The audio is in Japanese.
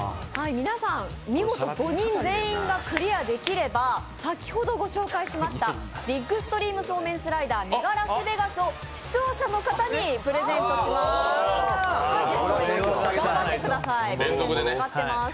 皆さん、見事、５人全員がクリアできれば、先ほどご紹介した、ビッグストリームそうめんスライダーメガラスベガスを視聴者の方にプレゼントします。